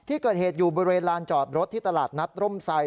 ที่เกิดเหตุอยู่บริเวณลานจอดรถที่ตลาดนัดร่มไซด